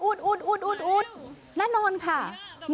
อูดน่านนท์ค่ะ